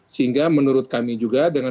sehingga menurut kami juga dengan